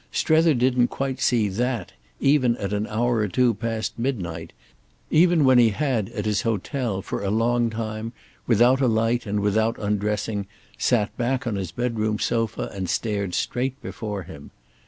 Strether didn't quite see that even at an hour or two past midnight, even when he had, at his hotel, for a long time, without a light and without undressing, sat back on his bedroom sofa and stared straight before him.